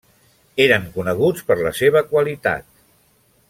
Eren coneguts per la seva qualitat.